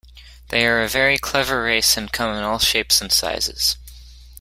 They are a very clever race and come in all shapes and sizes.